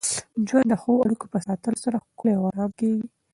ژوند د ښو اړیکو په ساتلو سره ښکلی او ارام کېږي.